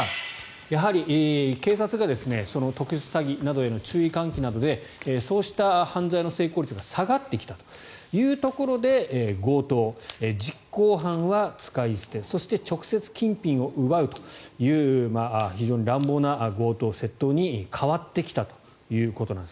やはり警察が特殊詐欺などへの注意喚起などでそうした犯罪の成功率が下がってきたというところで強盗、実行犯は使い捨てそして直接金品を奪うという非常に乱暴な強盗、窃盗に変わってきたということなんです。